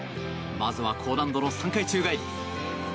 まずは高難度の３回宙返り。